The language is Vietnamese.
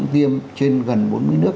tiêm trên gần bốn mươi nước